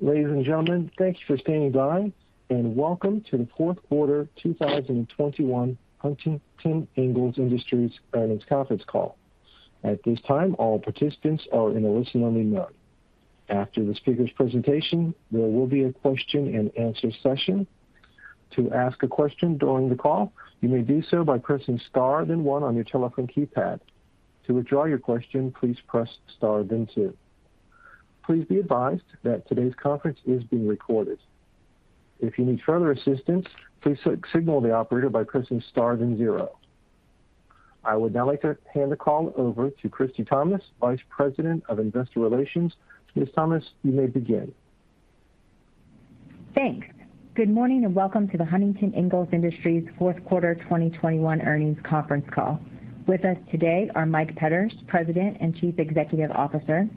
Ladies and gentlemen, thank you for standing by, and welcome to the fourth quarter 2021 Huntington Ingalls Industries Earnings Conference Call. At this time, all participants are in a listen-only mode. After the speaker's presentation, there will be a question-and-answer session. To ask a question during the call, you may do so by pressing star, then one on your telephone keypad. To withdraw your question, please press star, then two. Please be advised that today's conference is being recorded. If you need further assistance, please signal the operator by pressing star, then zero. I would now like to hand the call over to Christie Thomas, Vice President of Investor Relations. Ms. Thomas, you may begin. Thanks. Good morning and welcome to the Huntington Ingalls Industries fourth quarter 2021 earnings conference call. With us today are Mike Petters, President and Chief Executive Officer,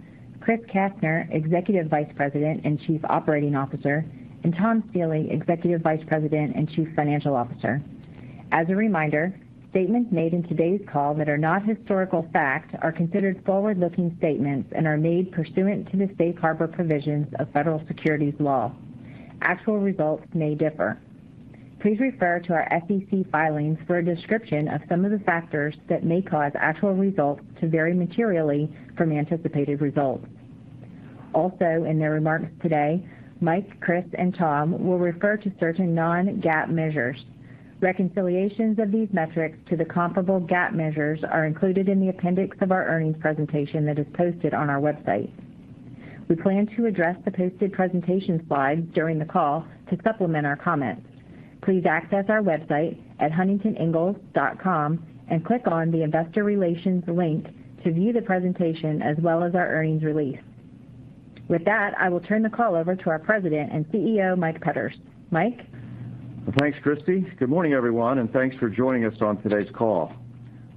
Chris Kastner, Executive Vice President and Chief Operating Officer, and Tom Stiehle, Executive Vice President and Chief Financial Officer. As a reminder, statements made in today's call that are not historical facts are considered forward-looking statements and are made pursuant to the safe harbor provisions of federal securities law. Actual results may differ. Please refer to our SEC filings for a description of some of the factors that may cause actual results to vary materially from anticipated results. Also, in their remarks today, Mike, Chris, and Tom will refer to certain non-GAAP measures. Reconciliations of these metrics to the comparable GAAP measures are included in the appendix of our earnings presentation that is posted on our website. We plan to address the posted presentation slides during the call to supplement our comments. Please access our website at huntingtoningalls.com and click on the Investor Relations link to view the presentation as well as our earnings release. With that, I will turn the call over to our President and CEO, Mike Petters. Mike? Well, thanks, Christie. Good morning, everyone, and thanks for joining us on today's call.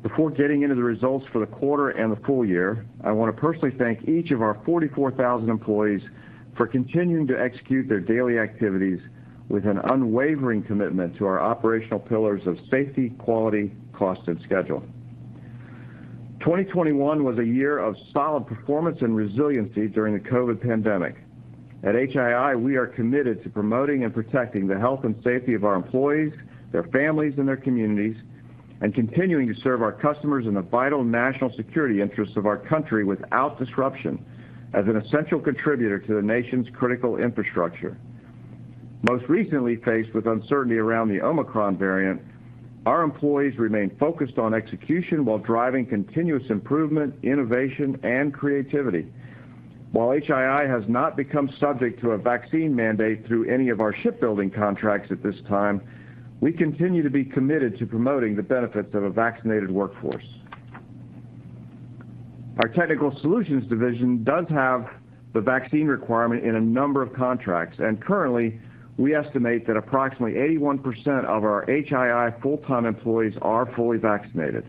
Before getting into the results for the quarter and the full year, I wanna personally thank each of our 44,000 employees for continuing to execute their daily activities with an unwavering commitment to our operational pillars of safety, quality, cost, and schedule. 2021 was a year of solid performance and resiliency during the COVID pandemic. At HII, we are committed to promoting and protecting the health and safety of our employees, their families, and their communities, and continuing to serve our customers in the vital national security interests of our country without disruption as an essential contributor to the nation's critical infrastructure. Most recently faced with uncertainty around the Omicron variant, our employees remain focused on execution while driving continuous improvement, innovation, and creativity. While HII has not become subject to a vaccine mandate through any of our shipbuilding contracts at this time, we continue to be committed to promoting the benefits of a vaccinated workforce. Our Technical Solutions division does have the vaccine requirement in a number of contracts, and currently, we estimate that approximately 81% of our HII full-time employees are fully vaccinated.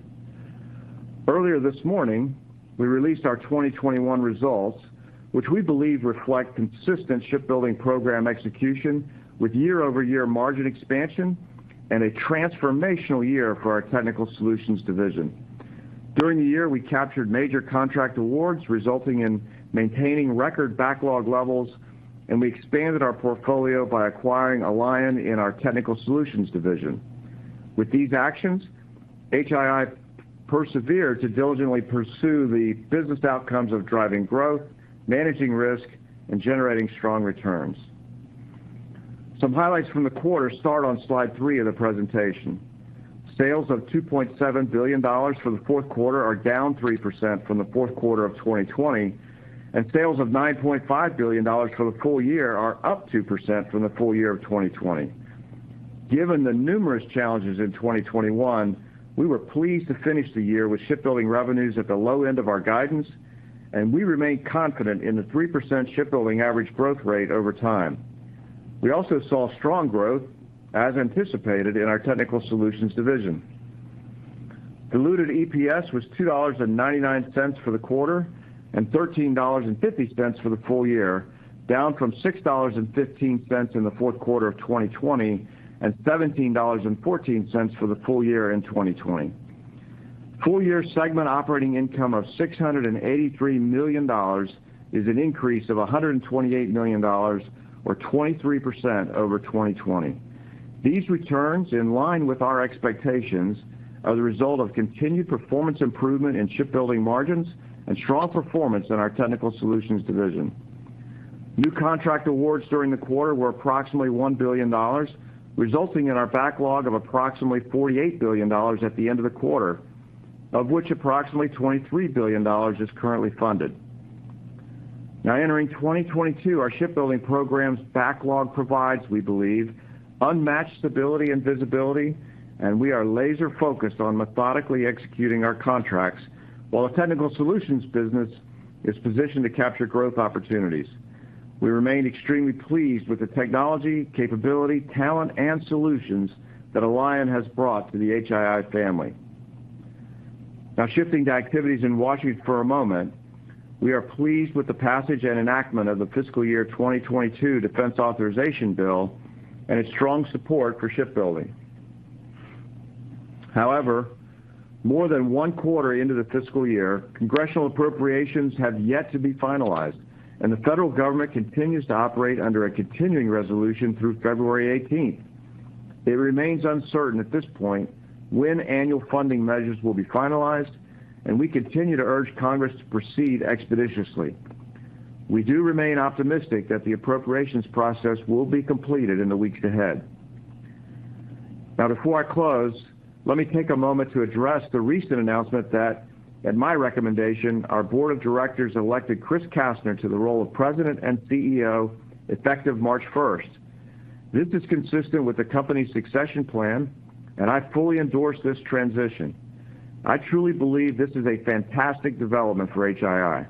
Earlier this morning, we released our 2021 results, which we believe reflect consistent shipbuilding program execution with year-over-year margin expansion and a transformational year for our Technical Solutions division. During the year, we captured major contract awards resulting in maintaining record backlog levels, and we expanded our portfolio by acquiring Alion in our Technical Solutions division. With these actions, HII persevered to diligently pursue the business outcomes of driving growth, managing risk, and generating strong returns. Some highlights from the quarter start on slide three of the presentation. Sales of $2.7 billion for the fourth quarter are down 3% from the fourth quarter of 2020, and sales of $9.5 billion for the full year are up 2% from the full year of 2020. Given the numerous challenges in 2021, we were pleased to finish the year with shipbuilding revenues at the low end of our guidance, and we remain confident in the 3% shipbuilding average growth rate over time. We also saw strong growth, as anticipated, in our Technical Solutions division. Diluted EPS was $2.99 for the quarter and $13.50 for the full year, down from $6.15 in the fourth quarter of 2020 and $17.14 for the full year in 2020. Full year segment operating income of $683 million is an increase of $128 million or 23% over 2020. These returns, in line with our expectations, are the result of continued performance improvement in shipbuilding margins and strong performance in our Technical Solutions division. New contract awards during the quarter were approximately $1 billion, resulting in our backlog of approximately $48 billion at the end of the quarter, of which approximately $23 billion is currently funded. Now, entering 2022, our shipbuilding programs backlog provides, we believe, unmatched stability and visibility, and we are laser-focused on methodically executing our contracts, while the Technical Solutions business is positioned to capture growth opportunities. We remain extremely pleased with the technology, capability, talent, and solutions that Alion has brought to the HII family. Now, shifting to activities in Washington for a moment, we are pleased with the passage and enactment of the fiscal year 2022 defense authorization bill and its strong support for shipbuilding. However, more than one quarter into the fiscal year, congressional appropriations have yet to be finalized, and the federal government continues to operate under a continuing resolution through February 18. It remains uncertain at this point when annual funding measures will be finalized, and we continue to urge Congress to proceed expeditiously. We do remain optimistic that the appropriations process will be completed in the weeks ahead. Now, before I close, let me take a moment to address the recent announcement that at my recommendation, our board of directors elected Chris Kastner to the role of President and CEO, effective March first. This is consistent with the company's succession plan, and I fully endorse this transition. I truly believe this is a fantastic development for HII.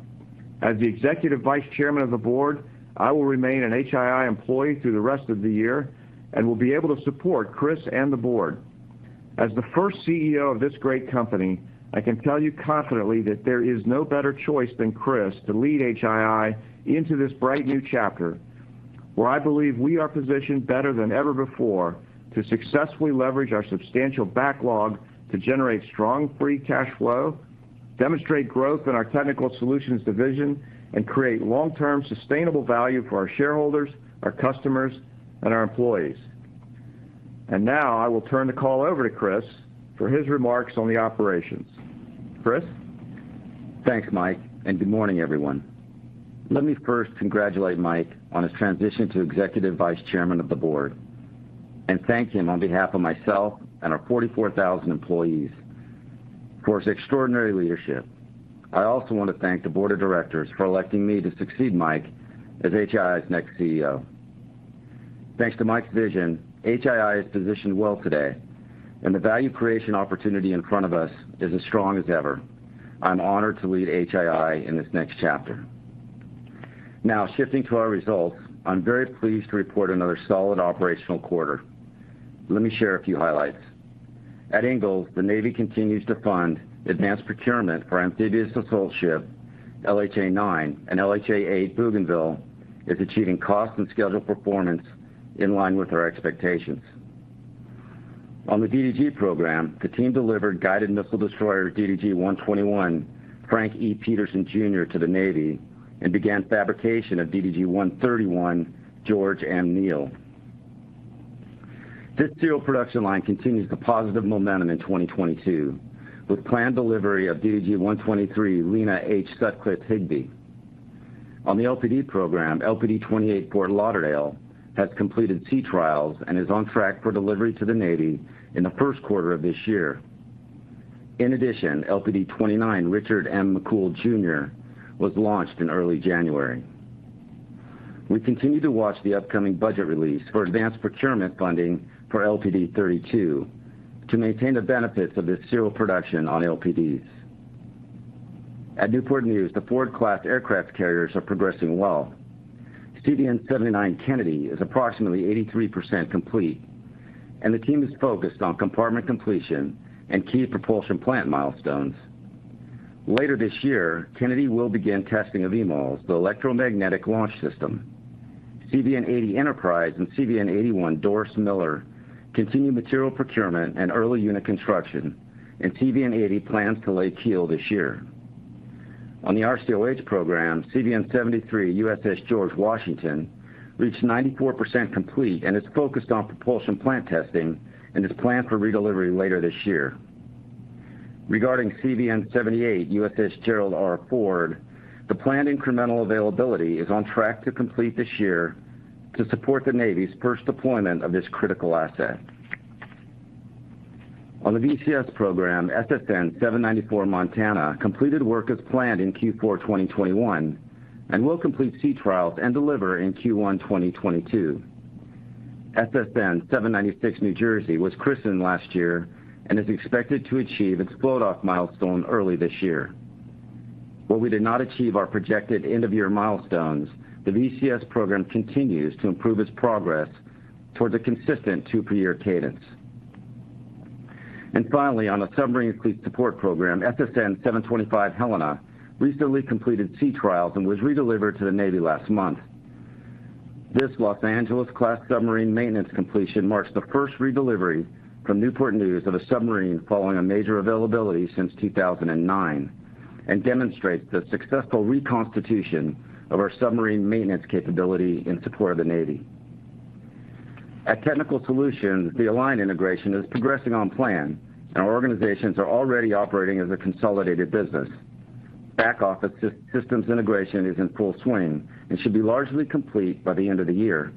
As the executive vice chairman of the board, I will remain an HII employee through the rest of the year and will be able to support Chris and the board. As the first CEO of this great company, I can tell you confidently that there is no better choice than Chris to lead HII into this bright new chapter, where I believe we are positioned better than ever before to successfully leverage our substantial backlog to generate strong free cash flow, demonstrate growth in our Technical Solutions division, and create long-term sustainable value for our shareholders, our customers, and our employees. Now I will turn the call over to Chris for his remarks on the operations. Chris? Thanks, Mike, and good morning, everyone. Let me first congratulate Mike on his transition to Executive Vice Chairman of the Board and thank him on behalf of myself and our 44,000 employees for his extraordinary leadership. I also want to thank the Board of Directors for electing me to succeed Mike as HII's next CEO. Thanks to Mike's vision, HII is positioned well today, and the value creation opportunity in front of us is as strong as ever. I'm honored to lead HII in this next chapter. Now shifting to our results, I'm very pleased to report another solid operational quarter. Let me share a few highlights. At Ingalls, the Navy continues to fund advanced procurement for amphibious assault ship LHA-9, and LHA-8 Bougainville is achieving cost and schedule performance in line with our expectations. On the DDG program, the team delivered guided missile destroyer DDG-121, Frank E. Petersen Jr. to the Navy and began fabrication of DDG-131, George M. Neal. This serial production line continues the positive momentum in 2022 with planned delivery of DDG-123, Lenah Sutcliffe Higbee. On the LPD program, LPD-28 Fort Lauderdale has completed sea trials and is on track for delivery to the Navy in the first quarter of this year. In addition, LPD-29, Richard M. McCool Jr. was launched in early January. We continue to watch the upcoming budget release for advanced procurement funding for LPD-32 to maintain the benefits of this serial production on LPDs. At Newport News, the Ford-class aircraft carriers are progressing well. CVN-79 Kennedy is approximately 83% complete, and the team is focused on compartment completion and key propulsion plant milestones. Later this year, Kennedy will begin testing of EMALS, the electromagnetic launch system. CVN-80 Enterprise and CVN-81 Dorie Miller continue material procurement and early unit construction, and CVN-80 plans to lay keel this year. On the RCOH program, CVN-73 USS George Washington reached 94% complete and is focused on propulsion plant testing and is planned for redelivery later this year. Regarding CVN-78 USS Gerald R. Ford, the planned incremental availability is on track to complete this year to support the Navy's first deployment of this critical asset. On the VCS program, SSN-794 Montana completed work as planned in Q4 2021 and will complete sea trials and deliver in Q1 2022. SSN-796 New Jersey was christened last year and is expected to achieve its float off milestone early this year. While we did not achieve our projected end of year milestones, the VCS program continues to improve its progress towards a consistent two per year cadence. Finally, on the Submarine Fleet Support program, SSN-725 Helena recently completed sea trials and was redelivered to the Navy last month. This Los Angeles-class submarine maintenance completion marks the first redelivery from Newport News of a submarine following a major availability since 2009 and demonstrates the successful reconstitution of our submarine maintenance capability in support of the Navy. At Technical Solutions, the Alion integration is progressing on plan, and our organizations are already operating as a consolidated business. Back office systems integration is in full swing and should be largely complete by the end of the year.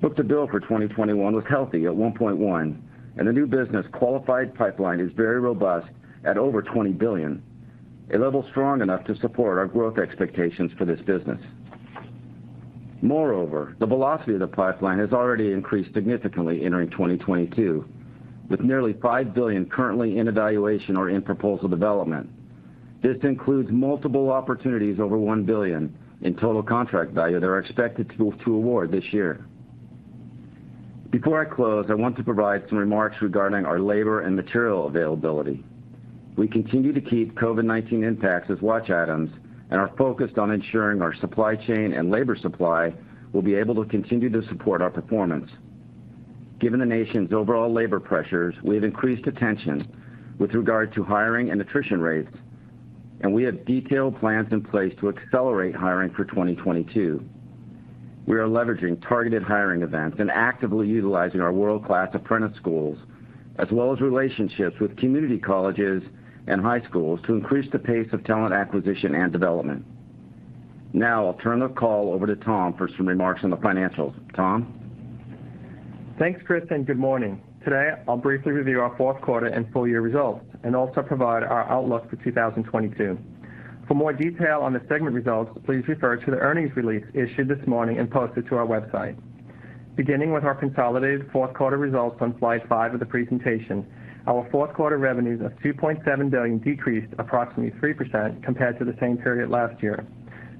Book-to-bill for 2021 was healthy at 1.1, and the new business qualified pipeline is very robust at over $20 billion, a level strong enough to support our growth expectations for this business. Moreover, the velocity of the pipeline has already increased significantly entering 2022, with nearly $5 billion currently in evaluation or in proposal development. This includes multiple opportunities over $1 billion in total contract value that are expected to award this year. Before I close, I want to provide some remarks regarding our labor and material availability. We continue to keep COVID-19 impacts as watch items and are focused on ensuring our supply chain and labor supply will be able to continue to support our performance. Given the nation's overall labor pressures, we have increased attention with regard to hiring and attrition rates, and we have detailed plans in place to accelerate hiring for 2022. We are leveraging targeted hiring events and actively utilizing our world-class apprentice schools, as well as relationships with community colleges and high schools to increase the pace of talent acquisition and development. Now I'll turn the call over to Tom for some remarks on the financials. Tom? Thanks, Chris, and good morning. Today, I'll briefly review our fourth quarter and full year results and also provide our outlook for 2022. For more detail on the segment results, please refer to the earnings release issued this morning and posted to our website. Beginning with our consolidated fourth quarter results on slide five of the presentation, our fourth quarter revenues of $2.7 billion decreased approximately 3% compared to the same period last year.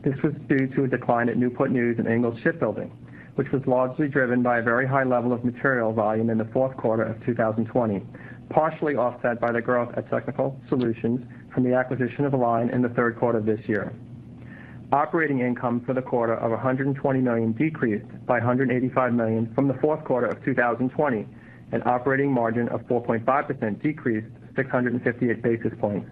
This was due to a decline at Newport News and Ingalls Shipbuilding, which was largely driven by a very high level of material volume in the fourth quarter of 2020, partially offset by the growth at Technical Solutions from the acquisition of Alion in the third quarter of this year. Operating income for the quarter was $120 million, decreased by $185 million from the fourth quarter of 2020, an operating margin of 4.5% decreased 658 basis points.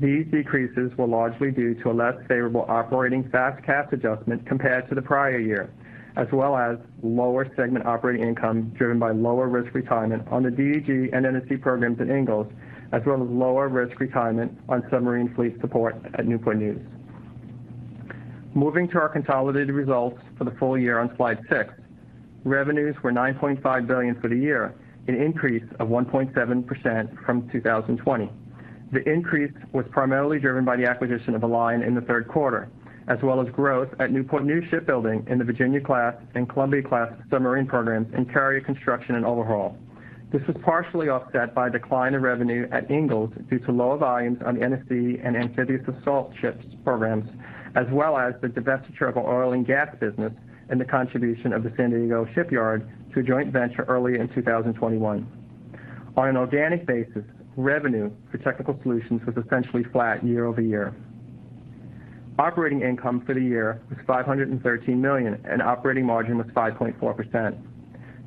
These decreases were largely due to a less favorable operating FAS/CAS adjustment compared to the prior year, as well as lower segment operating income driven by lower risk retirement on the DDG and NSC programs at Ingalls, as well as lower risk retirement on submarine fleet support at Newport News. Moving to our consolidated results for the full year on slide six, revenues were $9.5 billion for the year, an increase of 1.7% from 2020. The increase was primarily driven by the acquisition of Alion in the third quarter, as well as growth at Newport News Shipbuilding in the Virginia-class and Columbia-class submarine programs and carrier construction and overhaul. This was partially offset by decline in revenue at Ingalls due to lower volumes on the NSC and amphibious assault ships programs, as well as the divestiture of oil and gas business and the contribution of the San Diego shipyard to a joint venture early in 2021. On an organic basis, revenue for Technical Solutions was essentially flat year over year. Operating income for the year was $513 million, and operating margin was 5.4%.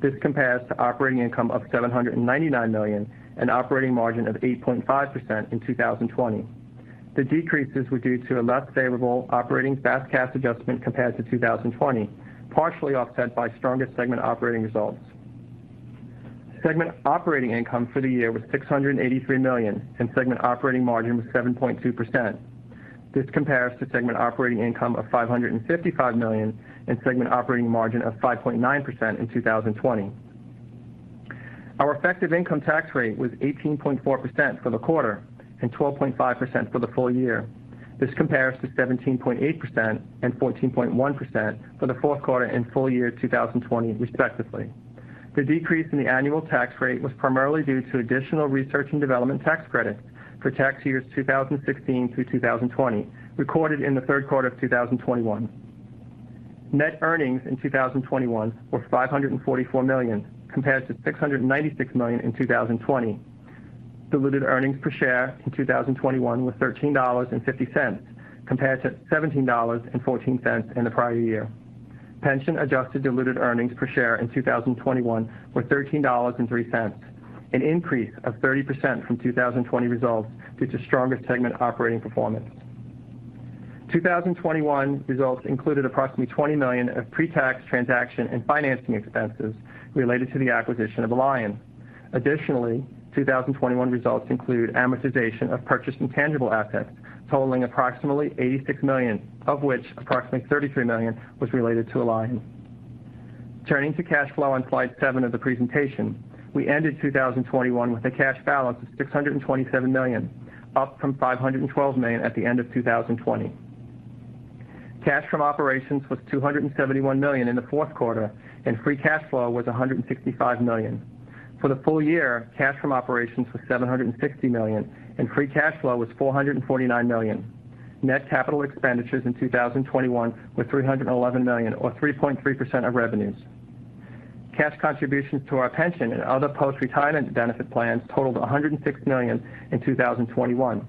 This compares to operating income of $799 million and operating margin of 8.5% in 2020. The decreases were due to a less favorable operating FAS/CAS adjustment compared to 2020, partially offset by stronger segment operating results. Segment operating income for the year was $683 million, and segment operating margin was 7.2%. This compares to segment operating income of $555 million and segment operating margin of 5.9% in 2020. Our effective income tax rate was 18.4% for the quarter and 12.5% for the full year. This compares to 17.8% and 14.1% for the fourth quarter and full year 2020 respectively. The decrease in the annual tax rate was primarily due to additional research and development tax credits for tax years 2016 through 2020, recorded in the third quarter of 2021. Net earnings in 2021 were $544 million, compared to $696 million in 2020. Diluted earnings per share in 2021 were $13.50, compared to $17.14 in the prior year. Pension adjusted diluted earnings per share in 2021 were $13.03, an increase of 30% from 2020 results due to stronger segment operating performance. 2021 results included approximately $20 million of pre-tax transaction and financing expenses related to the acquisition of Alion. Additionally, 2021 results include amortization of purchased intangible assets totaling approximately $86 million, of which approximately $33 million was related to Alion. Turning to cash flow on slide seven of the presentation, we ended 2021 with a cash balance of $627 million, up from $512 million at the end of 2020. Cash from operations was $271 million in the fourth quarter, and free cash flow was $165 million. For the full year, cash from operations was $760 million, and free cash flow was $449 million. Net capital expenditures in 2021 were $311 million or 3.3% of revenues. Cash contributions to our pension and other post-retirement benefit plans totaled $106 million in 2021.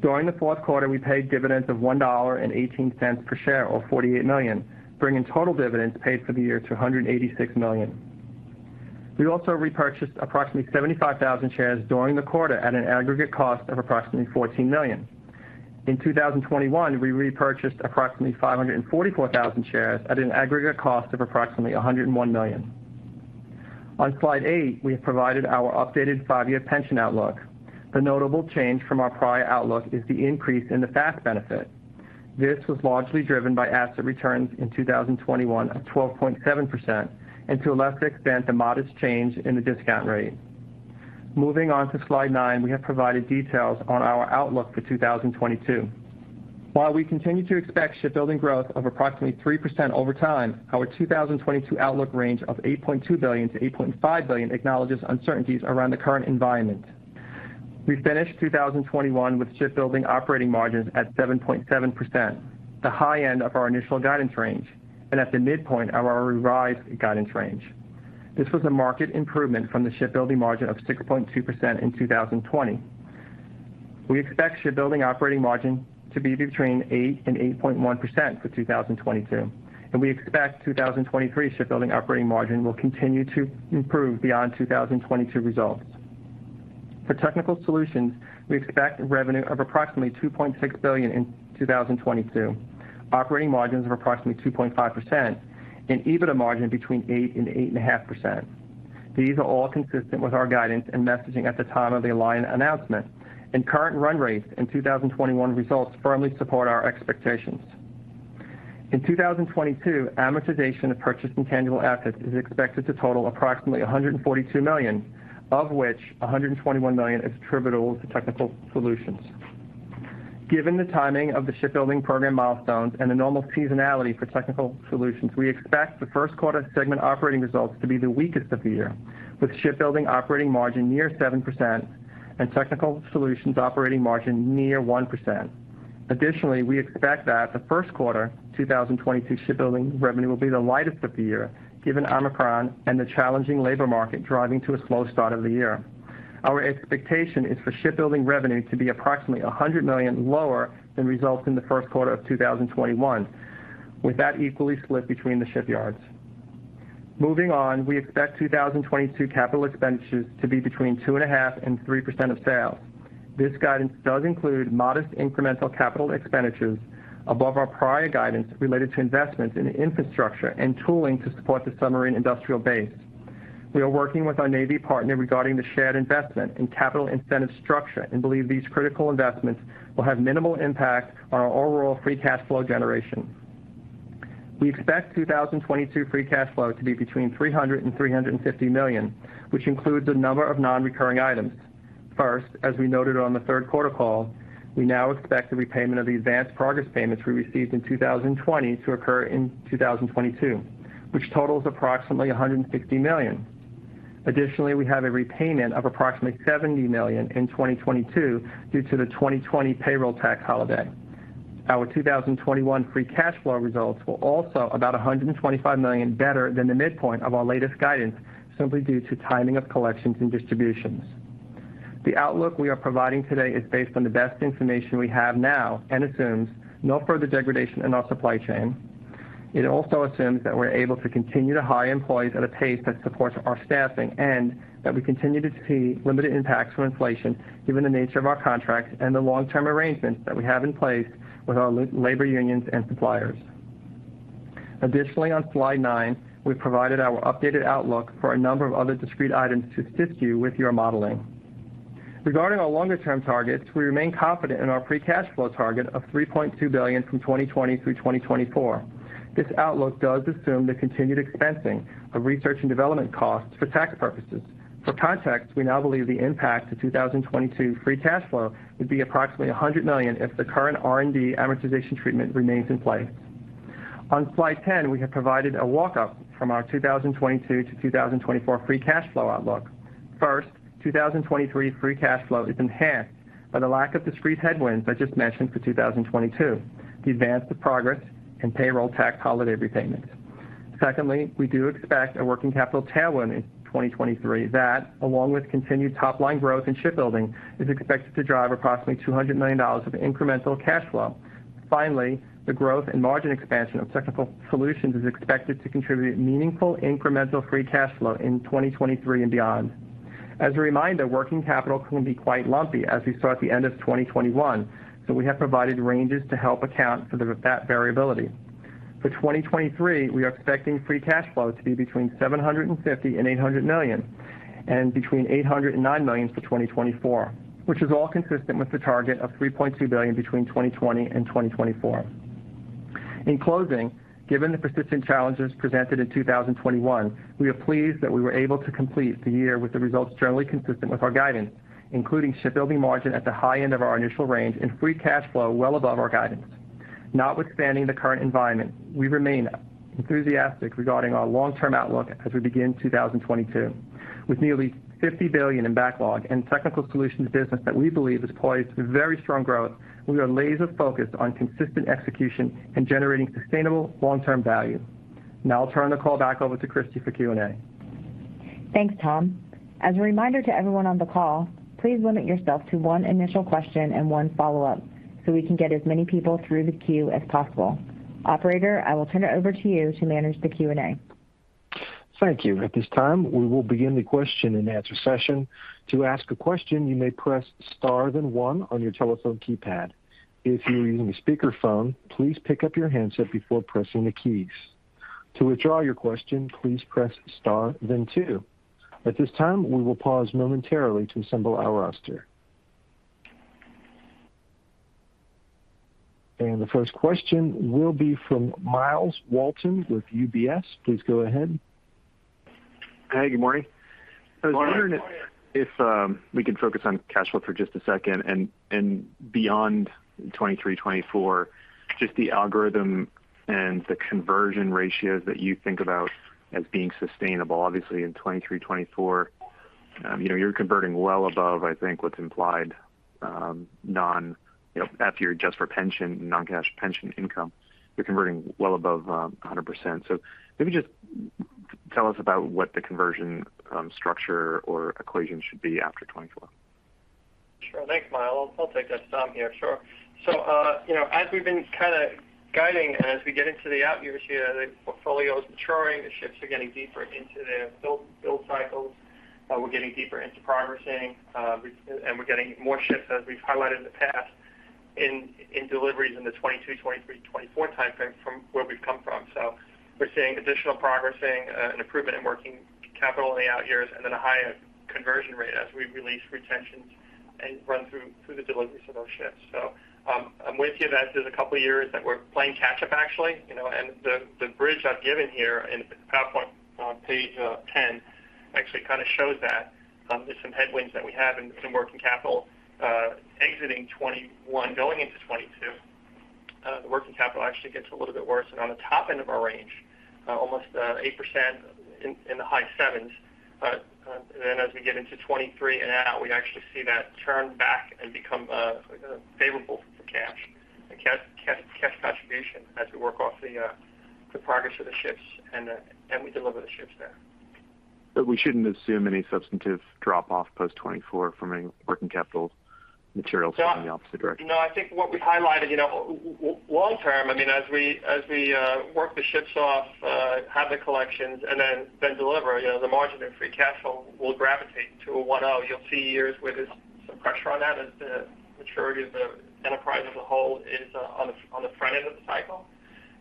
During the fourth quarter, we paid dividends of $1.18 per share or $48 million, bringing total dividends paid for the year to $186 million. We also repurchased approximately 75,000 shares during the quarter at an aggregate cost of approximately $14 million. In 2021, we repurchased approximately 544,000 shares at an aggregate cost of approximately $101 million. On slide eight, we have provided our updated five-year pension outlook. The notable change from our prior outlook is the increase in the FAS benefit. This was largely driven by asset returns in 2021 of 12.7% and to a lesser extent, a modest change in the discount rate. Moving on to slide nine, we have provided details on our outlook for 2022. While we continue to expect shipbuilding growth of approximately 3% over time, our 2022 outlook range of $8.2 billion-$8.5 billion acknowledges uncertainties around the current environment. We finished 2021 with shipbuilding operating margins at 7.7%, the high end of our initial guidance range, and at the midpoint of our revised guidance range. This was a marked improvement from the shipbuilding margin of 6.2% in 2020. We expect shipbuilding operating margin to be between 8% and 8.1% for 2022, and we expect 2023 shipbuilding operating margin will continue to improve beyond 2022 results. For Technical Solutions, we expect revenue of approximately $2.6 billion in 2022, operating margins of approximately 2.5% and EBITDA margin between 8%-8.5%. These are all consistent with our guidance and messaging at the time of the Alion announcement, and current run rates in 2021 results firmly support our expectations. In 2022, amortization of purchased intangible assets is expected to total approximately $142 million, of which $121 million is attributable to Technical Solutions. Given the timing of the Shipbuilding program milestones and the normal seasonality for Technical Solutions, we expect the first quarter segment operating results to be the weakest of the year, with Shipbuilding operating margin near 7% and Technical Solutions operating margin near 1%. Additionally, we expect that the first quarter 2022 shipbuilding revenue will be the lightest of the year, given Omicron and the challenging labor market driving to a slow start of the year. Our expectation is for shipbuilding revenue to be approximately $100 million lower than results in the first quarter of 2021, with that equally split between the shipyards. Moving on, we expect 2022 capital expenditures to be between 2.5% and 3% of sales. This guidance does include modest incremental capital expenditures above our prior guidance related to investments in infrastructure and tooling to support the submarine industrial base. We are working with our Navy partner regarding the shared investment and capital incentive structure and believe these critical investments will have minimal impact on our overall free cash flow generation. We expect 2022 free cash flow to be between $300 million and $350 million, which includes a number of non-recurring items. First, as we noted on the third quarter call, we now expect the repayment of the advanced progress payments we received in 2020 to occur in 2022, which totals approximately $160 million. Additionally, we have a repayment of approximately $70 million in 2022 due to the 2020 payroll tax holiday. Our 2021 free cash flow results were also about $125 million better than the midpoint of our latest guidance, simply due to timing of collections and distributions. The outlook we are providing today is based on the best information we have now and assumes no further degradation in our supply chain. It also assumes that we're able to continue to hire employees at a pace that supports our staffing, and that we continue to see limited impacts from inflation given the nature of our contracts and the long-term arrangements that we have in place with our labor unions and suppliers. Additionally, on slide nine, we've provided our updated outlook for a number of other discrete items to assist you with your modeling. Regarding our longer term targets, we remain confident in our free cash flow target of $3.2 billion from 2020 through 2024. This outlook does assume the continued expensing of research and development costs for tax purposes. For context, we now believe the impact to 2022 free cash flow would be approximately $100 million if the current R&D amortization treatment remains in place. On slide 10, we have provided a walk up from our 2022 to 2024 free cash flow outlook. First, 2023 free cash flow is enhanced by the lack of discrete headwinds I just mentioned for 2022, the advance of progress and payroll tax holiday repayments. Second, we do expect a working capital tailwind in 2023. That, along with continued top line growth in Shipbuilding, is expected to drive approximately $200 million of incremental cash flow. Finally, the growth and margin expansion of Technical Solutions is expected to contribute meaningful incremental free cash flow in 2023 and beyond. As a reminder, working capital can be quite lumpy, as we saw at the end of 2021, so we have provided ranges to help account for that variability. For 2023, we are expecting free cash flow to be between $750 million and $800 million, and between $800 million and $900 million for 2024, which is all consistent with the target of $3.2 billion between 2020 and 2024. In closing, given the persistent challenges presented in 2021, we are pleased that we were able to complete the year with the results generally consistent with our guidance, including shipbuilding margin at the high end of our initial range and free cash flow well above our guidance. Notwithstanding the current environment, we remain enthusiastic regarding our long-term outlook as we begin 2022. With nearly $50 billion in backlog and Technical Solutions business that we believe is poised for very strong growth, we are laser focused on consistent execution and generating sustainable long-term value. Now I'll turn the call back over to Christie for Q&A. Thanks, Tom. As a reminder to everyone on the call, please limit yourself to one initial question and one follow-up so we can get as many people through the queue as possible. Operator, I will turn it over to you to manage the Q&A. Thank you. At this time, we will begin the question and answer session. To ask a question, you may press star then one on your telephone keypad. If you are using a speakerphone, please pick up your handset before pressing the keys. To withdraw your question, please press star then two. At this time, we will pause momentarily to assemble our roster. The first question will be from Myles Walton with UBS. Please go ahead. Hey, good morning. Good morning. I was wondering if we can focus on cash flow for just a second and beyond 2023, 2024, just the algorithm and the conversion ratios that you think about as being sustainable. Obviously, in 2023, 2024 you know, you're converting well above, I think, what's implied, you know, after you adjust for pension, non-cash pension income, you're converting well above, 100%. Maybe just tell us about what the conversion structure or equation should be after 2024. Sure. Thanks, Myles. I'll take that. It's Tom here. Sure. You know, as we've been kinda guiding and as we get into the out years here, the portfolio is maturing. The ships are getting deeper into their build cycles. We're getting deeper into progress payments. And we're getting more ships, as we've highlighted in the past, in deliveries in the 2022, 2023, 2024 timeframe from where we've come from. We're seeing additional progress payments, an improvement in working capital in the out years and then a higher conversion rate as we release retentions and run through the deliveries of those ships. I'm with you that there's a couple years that we're playing catch-up, actually. You know, the bridge I've given here in the PowerPoint on page ten actually kind of shows that there's some headwinds that we have in working capital exiting 2021. Going into 2022, the working capital actually gets a little bit worse. On the top end of our range, almost 8% in the high 7s%. Then as we get into 2023 and out, we actually see that turn back and become favorable for cash, a cash contribution as we work off the progress of the ships and we deliver the ships there. We shouldn't assume any substantive drop-off post 2024 from a working capital materially No. From the opposite direction. No, I think what we highlighted, you know, long term, I mean, as we work the ships off, have the collections and then deliver, you know, the margin in free cash flow will gravitate to a 10%. You'll see years where there's some pressure on that as the maturity of the enterprise as a whole is on the front end of the cycle.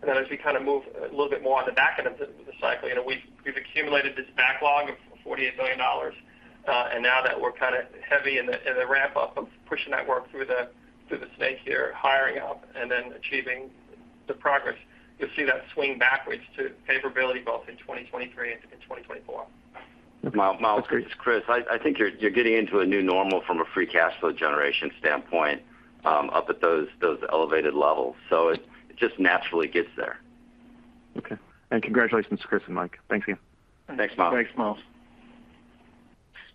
Then as we kind of move a little bit more on the back end of the cycle. You know, we've accumulated this backlog of $48 billion. Now that we're kind of heavy in the ramp up of pushing that work through the snake here, hiring up and then achieving the progress, you'll see that swing backwards to favorability both in 2023 and in 2024. Okay. Myles, it's Chris. I think you're getting into a new normal from a free cash flow generation standpoint, up at those elevated levels. It just naturally gets there. Okay. Congratulations, Chris and Mike. Thanks again. Thanks, Myles. Thanks, Myles.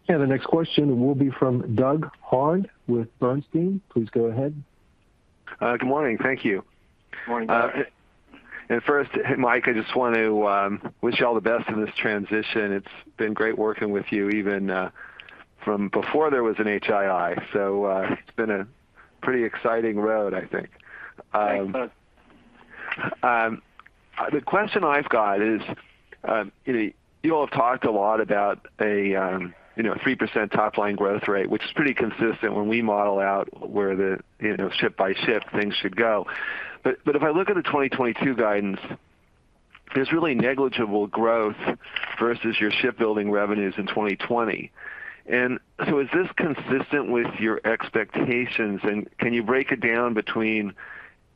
The next question will be from Doug Harned with Bernstein. Please go ahead. Good morning. Thank you. Good morning, Doug. First, Mike, I just want to wish you all the best in this transition. It's been great working with you even from before there was an HII. It's been a pretty exciting road, I think. Thanks, Doug. The question I've got is, you know, you all have talked a lot about a, you know, 3% top line growth rate, which is pretty consistent when we model out where the, you know, ship by ship things should go. But if I look at the 2022 guidance, there's really negligible growth versus your shipbuilding revenues in 2020. Is this consistent with your expectations? And can you break it down between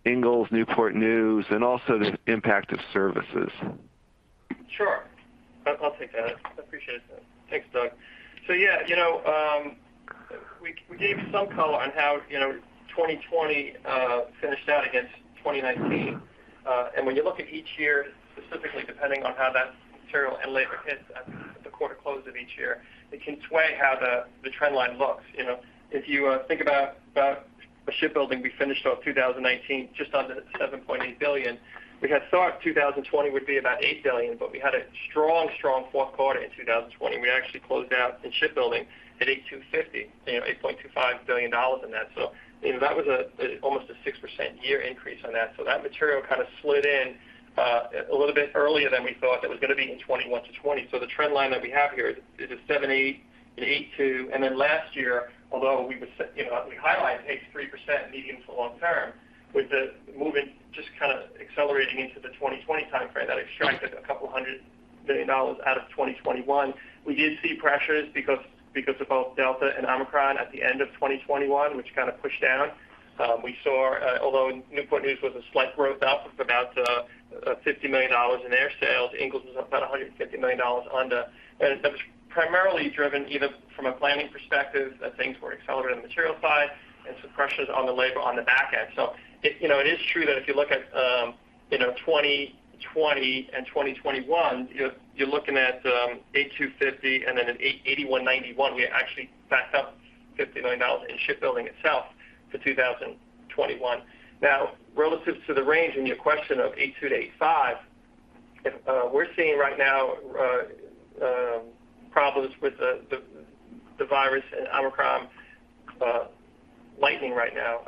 Ingalls, Newport News and also the impact of services? Sure. I'll take that. I appreciate that. Thanks, Doug. Yeah, you know, we gave you some color on how, you know, 2020 finished out against 2019. When you look at each year, specifically depending on how that material and labor hits at the quarter close of each year, it can sway how the trend line looks. You know, if you think about the shipbuilding, we finished off 2019 just under $7.8 billion. We had thought 2020 would be about $8 billion, but we had a strong fourth quarter in 2020, and we actually closed out in shipbuilding at $8.25 billion in that. You know, that was almost a 6% year increase on that. That material kind of slid in a little bit earlier than we thought it was gonna be in 2021 to 2020. The trend line that we have here is a 7-8, an 8-2. Then last year, although we would you know, we highlight 3%-8% medium to long term with the momentum just kind of accelerating into the 2020 timeframe. That extracted $200 million out of 2021. We did see pressures because of both Delta and Omicron at the end of 2021, which kind of pushed down. We saw, although Newport News was a slight growth, up of about $50 million in their sales. Ingalls was up about $150 million. That was primarily driven even from a planning perspective that things were accelerated on the material side and some pressures on the labor on the back end. It is true that if you look at you know 2020 and 2021, you're looking at $825 and then $819-$821. We had actually backed up $50 million in shipbuilding itself for 2021. Now, relative to the range in your question of $82-$85, if we're seeing right now problems with the virus and Omicron lessening right now.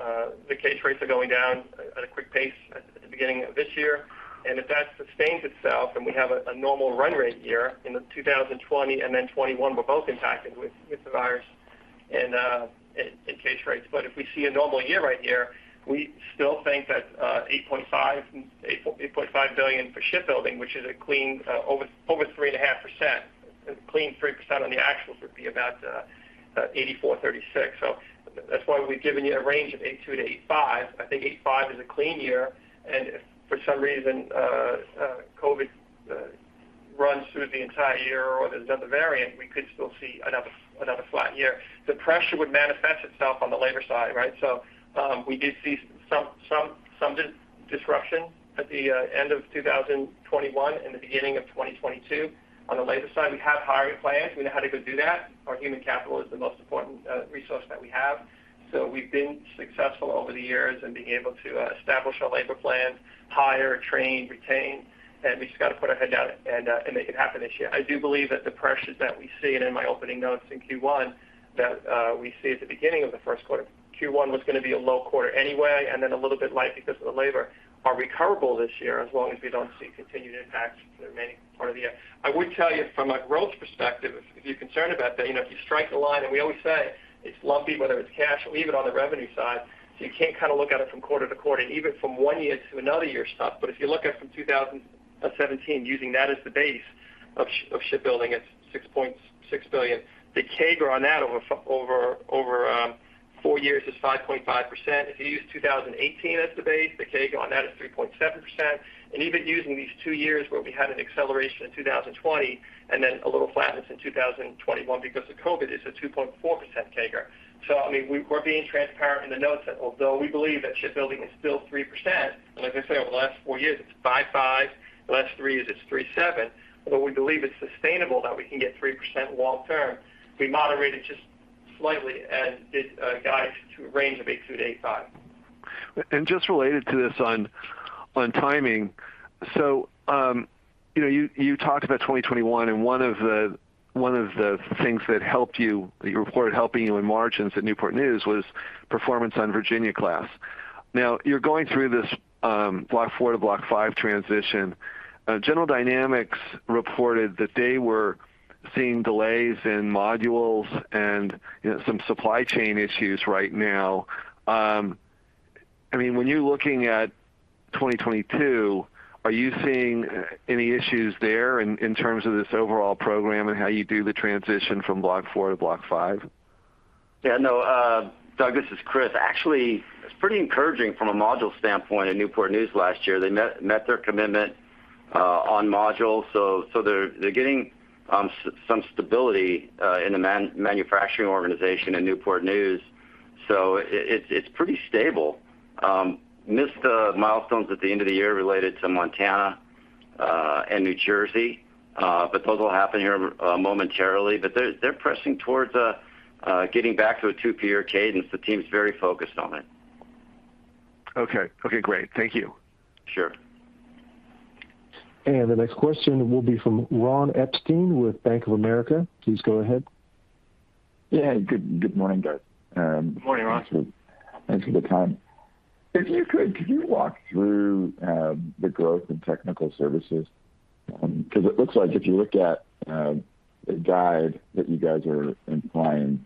The case rates are going down at a quick pace at the beginning of this year. If that sustains itself, then we have a normal run rate year in 2020 and then 2021 were both impacted with the virus and case rates. If we see a normal year right here, we still think that $8.5 billion for shipbuilding, which is a clean over 3.5%. A clean 3% on the actuals would be about 84.36. That's why we've given you a range of $8.2 billion-$8.5 billion. I think $8.5 billion is a clean year. If for some reason COVID runs through the entire year or there's another variant, we could still see another flat year. The pressure would manifest itself on the labor side, right? We did see some. The end of 2021 and the beginning of 2022. On the labor side, we have hiring plans. We know how to go do that. Our human capital is the most important resource that we have. We've been successful over the years in being able to establish our labor plans, hire, train, retain, and we just got to put our head down and make it happen this year. I do believe that the pressures that we see, and in my opening notes in Q1, that we see at the beginning of the first quarter, Q1 was gonna be a low quarter anyway, and then a little bit light because of the labor, are recoverable this year, as long as we don't see continued impacts for the remaining part of the year. I would tell you from a growth perspective, if you're concerned about that, you know, if you strike the line, and we always say it's lumpy, whether it's cash or even on the revenue side. You can't kind of look at it from quarter to quarter and even from one year to another year's stuff. If you look at from 2017, using that as the base of shipbuilding, it's $6.6 billion. The CAGR on that over four years is 5.5%. If you use 2018 as the base, the CAGR on that is 3.7%. Even using these two years where we had an acceleration in 2020 and then a little flatness in 2021 because of COVID is a 2.4% CAGR. I mean, we're being transparent in the notes that although we believe that shipbuilding is still 3%, and like I say, over the last four years, it's 5.5%. The last three years, it's 3.7%. Although we believe it's sustainable that we can get 3% long term, we moderate it just slightly and did guide to a range of 8.2%-8.5%. Just related to this on timing. You know, you talked about 2021, and one of the things that you reported helping you in margins at Newport News was performance on Virginia-class. Now, you're going through this block 4 to block 5 transition. General Dynamics reported that they were seeing delays in modules and, you know, some supply chain issues right now. I mean, when you're looking at 2022, are you seeing any issues there in terms of this overall program and how you do the transition from block 4 to block 5? Yeah, no. Doug, this is Chris. Actually, it's pretty encouraging from a module standpoint at Newport News last year. They met their commitment on modules. So they're getting some stability in the manufacturing organization at Newport News. So it's pretty stable. Missed milestones at the end of the year related to Montana and New Jersey, but those will happen here momentarily. They're pressing towards getting back to a two per cadence. The team is very focused on it. Okay. Okay, great. Thank you. Sure. The next question will be from Ron Epstein with Bank of America. Please go ahead. Yeah. Good morning, guys. Good morning, Ron. Thanks for the time. If you could walk through the growth in technical services? Cause it looks like if you look at the guide that you guys are implying,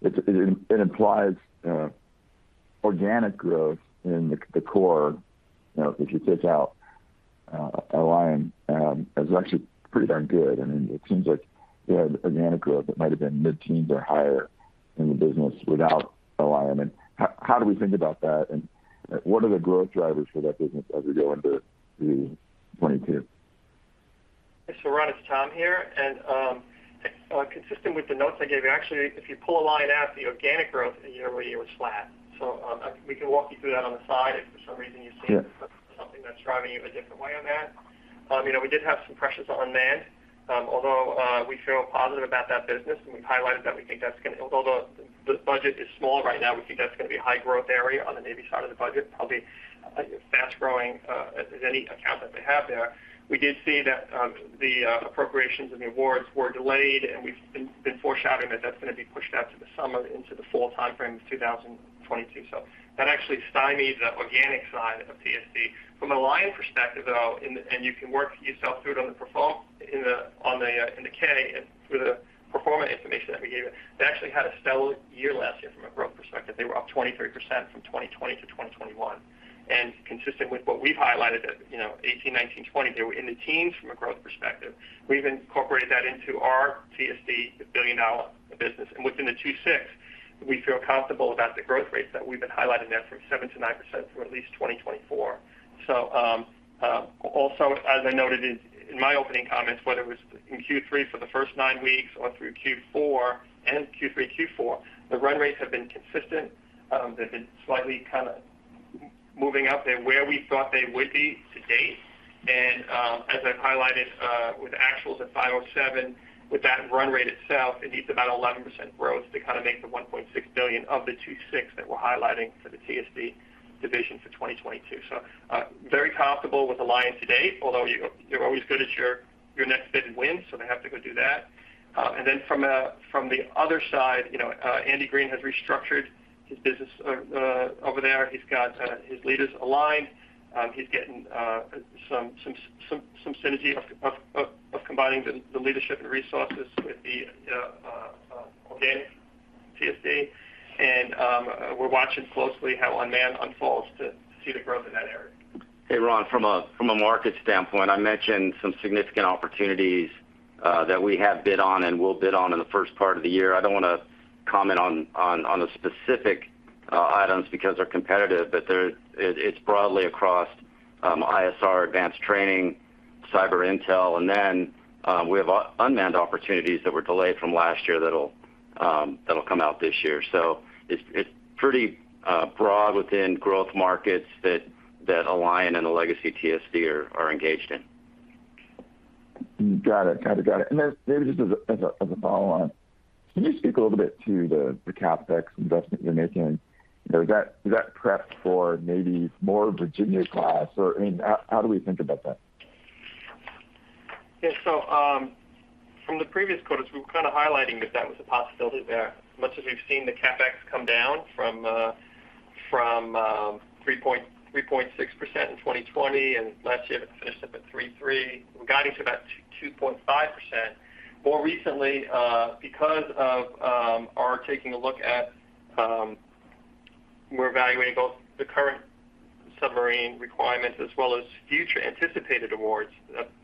it implies organic growth in the core, you know, if you take out Alion, is actually pretty darn good. I mean, it seems like you had organic growth that might have been mid-teens or higher in the business without Alion. How do we think about that, and what are the growth drivers for that business as we go into 2022? Ron, it's Tom here. Consistent with the notes I gave you, actually, if you pull a line out, the organic growth year-over-year was flat. We can walk you through that on the side if for some reason you see- Sure. Something that's driving you a different way on that. You know, we did have some pressures on manpower, although we feel positive about that business, and we've highlighted that although the budget is small right now, we think that's gonna be a high growth area on the Navy side of the budget, probably fast-growing as any account that they have there. We did see that the appropriations and the awards were delayed, and we've been foreshadowing that that's gonna be pushed out to the summer into the fall timeframe of 2022. So that actually stymied the organic side of TSD. From Alion perspective, though, and you can work yourself through it on the performance in the 10-K and through the performance information that we gave you. They actually had a stellar year last year from a growth perspective. They were up 23% from 2020 to 2021. Consistent with what we've highlighted at, you know, 18, 19, 20, they were in the teens from a growth perspective. We've incorporated that into our TSD billion-dollar business. Within the 26, we feel comfortable about the growth rates that we've been highlighting there from 7%-9% through at least 2024. Also, as I noted in my opening comments, whether it was in Q3 for the first nine weeks or through Q4 and Q3, Q4, the run rates have been consistent. They've been slightly kind of moving up. They're where we thought they would be to date. as I've highlighted, with actuals at $507, with that run rate itself, it needs about 11% growth to kind of make the $1.6 billion of the 2026 that we're highlighting for the TSD division for 2022. very comfortable with Alion to date, although you're always good at your next bid and win, so they have to go do that. from the other side, you know, Andy Green has restructured his business over there. He's got his leaders aligned. he's getting some synergy of combining the leadership and resources with the organic TSD. we're watching closely how unmanned unfolds to see the growth in that area. Hey, Ron, from a market standpoint, I mentioned some significant opportunities that we have bid on and will bid on in the first part of the year. I don't wanna comment on the specific items because they're competitive, but it's broadly across ISR, advanced training, cyber intel, and then we have unmanned opportunities that were delayed from last year that'll come out this year. It's pretty broad within growth markets that Alion and the legacy TSD are engaged in. Got it. Kinda got it. Maybe just as a follow-on, can you speak a little bit to the CapEx investment you're making? You know, is that prepped for maybe more Virginia-class? Or, I mean, how do we think about that? Yeah. From the previous quarters, we were kind of highlighting that was a possibility there. Much as we've seen the CapEx come down from 3.6% in 2020 and last year it finished up at 3.3%. We're guiding to about 2%-2.5%. More recently, because of our taking a look at, we're evaluating both the current submarine requirements as well as future anticipated awards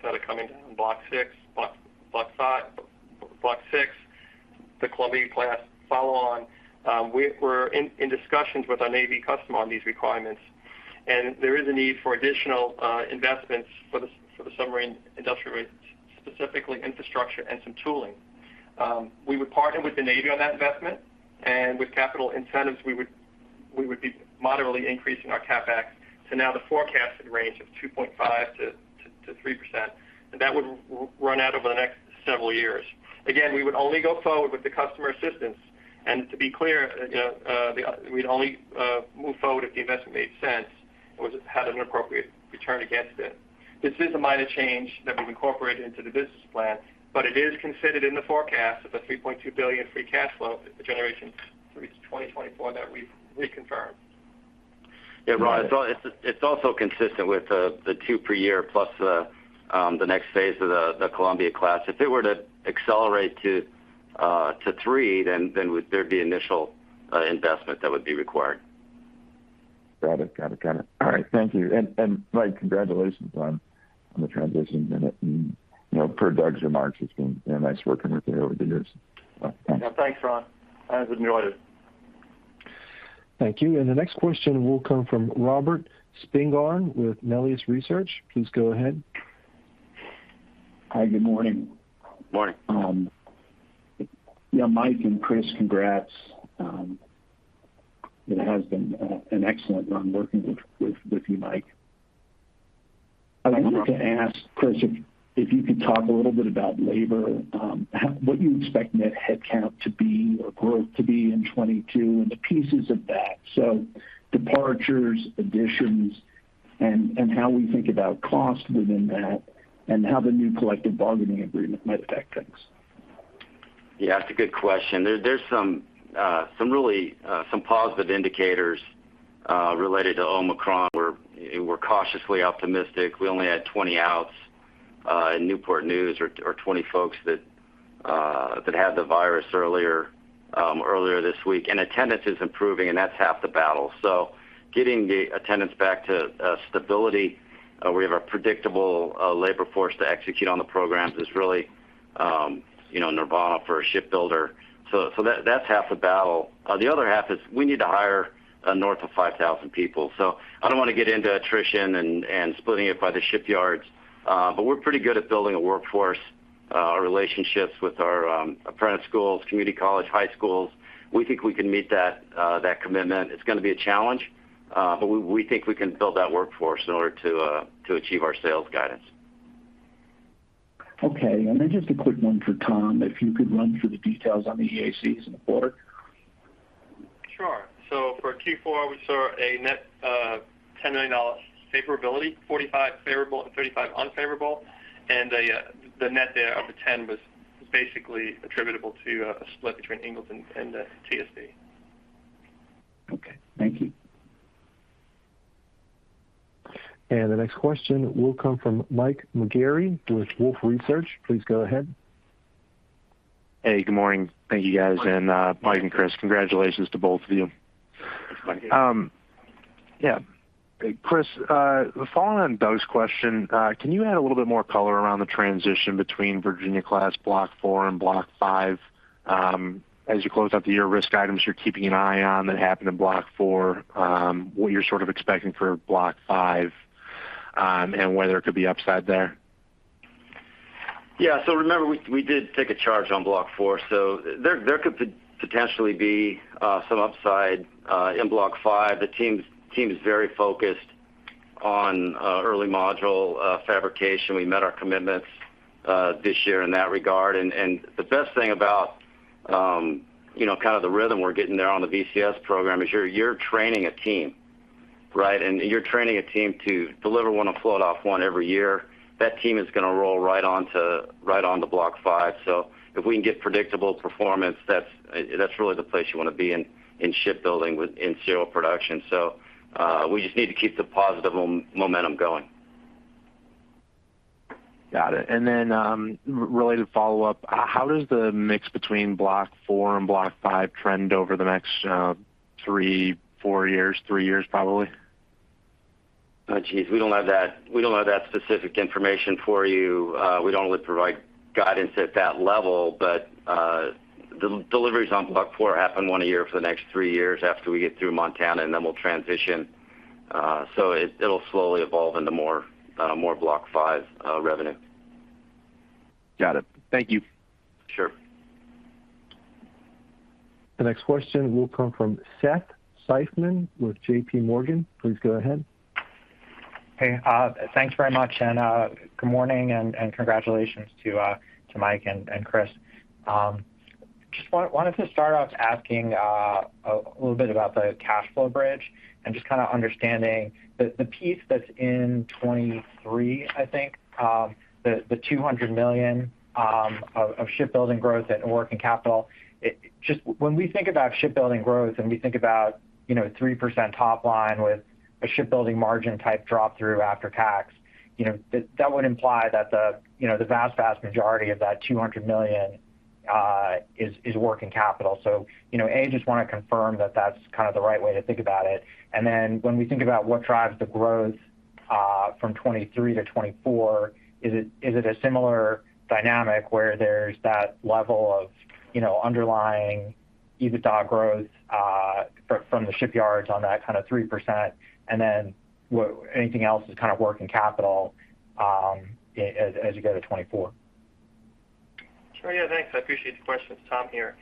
that are coming down Block V, Block VI, the Columbia-class follow-on. We're in discussions with our Navy customer on these requirements, and there is a need for additional investments for the submarine industrial base, specifically infrastructure and some tooling. We would partner with the Navy on that investment and with capital incentives, we would be moderately increasing our CapEx to the forecasted range of 2.5%-3%. That would run out over the next several years. Again, we would only go forward with the customer assistance. To be clear, you know, we'd only move forward if the investment made sense and it had an appropriate return against it. This is a minor change that we've incorporated into the business plan, but it is considered in the forecast of the $3.2 billion free cash flow generation through 2024 that we've reconfirmed. Yeah. Ron, it's also consistent with the two per year plus the next phase of the Columbia-class. If it were to accelerate to three, then there'd be initial investment that would be required. Got it. All right. Thank you. Mike, congratulations on the transition, you know, per Doug's remarks, it's been very nice working with you over the years. Thanks. Yeah, thanks, Ron. I've enjoyed it. Thank you. The next question will come from Robert Spingarn with Melius Research. Please go ahead. Hi. Good morning. Morning. Yeah, Mike and Chris, congrats. It has been an excellent run working with you, Mike. I wanted to ask, Chris, if you could talk a little bit about labor, how, what you expect net headcount to be or growth to be in 2022, and the pieces of that. Departures, additions, and how we think about cost within that, and how the new collective bargaining agreement might affect things. Yeah, it's a good question. There's some really positive indicators related to Omicron. We're cautiously optimistic. We only had 20 outs in Newport News or 20 folks that had the virus earlier this week. Attendance is improving, and that's half the battle. Getting the attendance back to stability, we have a predictable labor force to execute on the programs is really you know, nirvana for a shipbuilder. That's half the battle. The other half is we need to hire north of 5,000 people. I don't wanna get into attrition and splitting it by the shipyards, but we're pretty good at building a workforce. Our relationships with our apprentice schools, community college, high schools, we think we can meet that commitment. It's gonna be a challenge, but we think we can build that workforce in order to achieve our sales guidance. Okay. Just a quick one for Tom. If you could run through the details on the EACs in the quarter. Sure. For Q4, we saw a net $10 million favorability, $45 million favorable and $35 million unfavorable. The net there of $10 million was basically attributable to a split between Ingalls and TSD. Okay. Thank you. The next question will come from Mike McGarry with Wolfe Research. Please go ahead. Hey, good morning. Thank you, guys. Mike and Chris, congratulations to both of you. Thanks, Mike. Yeah. Chris, following on Doug's question, can you add a little bit more color around the transition between Virginia-class Block IV and Block V, as you close out the year, risk items you're keeping an eye on that happened in Block IV, what you're sort of expecting for Block V, and whether there could be upside there? Yeah. Remember, we did take a charge on Block IV, so there could potentially be some upside in Block V. The team is very focused on early module fabrication. We met our commitments this year in that regard. The best thing about you know, kind of the rhythm we're getting there on the VCS program is you're training a team, right? You're training a team to deliver one float-off every year. That team is gonna roll right onto Block V. If we can get predictable performance, that's really the place you wanna be in shipbuilding in serial production. We just need to keep the positive momentum going. Got it. Then, a related follow-up. How does the mix between Block IV and Block V trend over the next three, four years? three years probably? We don't have that specific information for you. We don't really provide guidance at that level. The deliveries on Block IV happen one a year for the next three years after we get through Montana, and then we'll transition. It'll slowly evolve into more Block V revenue. Got it. Thank you. Sure. The next question will come from Seth Seifman with JPMorgan. Please go ahead. Hey. Thanks very much. Good morning and congratulations to Mike and Chris. Just wanted to start off asking a little bit about the cash flow bridge and just kind of understanding the piece that's in 2023, I think, the $200 million of shipbuilding growth and working capital. Just when we think about shipbuilding growth and we think about, you know, 3% top line with a shipbuilding margin type drop through after tax, you know, that would imply that, you know, the vast majority of that $200 million is working capital. A, I just wanna confirm that that's kind of the right way to think about it. Then when we think about what drives the growth from 2023 to 2024, is it a similar dynamic where there's that level of, you know, underlying EBITDA growth from the shipyards on that kind of 3%, and then anything else is kind of working capital as you go to 2024? Sure. Yeah. Thanks. I appreciate the question. It's Tom here.